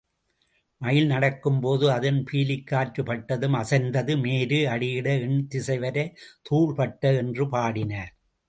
மயில் நடக்கும்போது அதன் பீலிக் காற்றுப் பட்டதும், அசைந்தது மேரு அடியிட எண் திசைவரை தூள்பட்ட என்று பாடினார்.